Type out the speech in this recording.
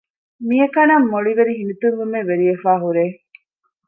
މިއަކަނަށް މޮޅިވެރި ހިނިތުންވުމެއް ވެރިވެފައި ހުރޭ